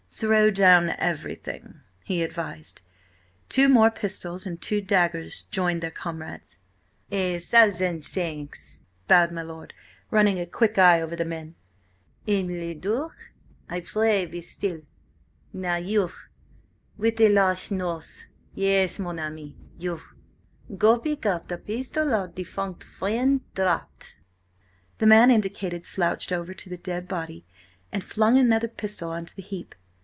"Throw down everything!" he advised. Two more pistols and two daggers joined their comrades. "A thousand thanks!" bowed my lord, running a quick eye over the men. "M. le Duc, I pray you be still. Now, you with the large nose–yes, mon ami, you–go pick up the pistol our defunct friend dropped." The man indicated slouched over to the dead body and flung another pistol on to the heap.